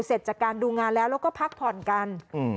เสร็จจากการดูงานแล้วแล้วก็พักผ่อนกัน